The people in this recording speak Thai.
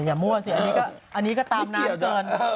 อย่ามั่วสิอันนี้ก็ตามนานเกิน